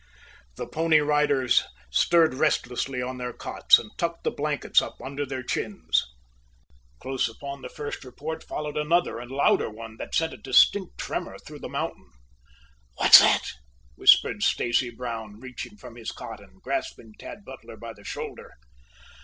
The Pony Riders stirred restlessly on their cots and tucked the blankets up under their chins. Close upon the first report followed another and louder one, that sent a distinct tremor through the mountain. "What's that?" whispered Stacy Brown, reaching from his cot and grasping Tad Butler by the shoulder.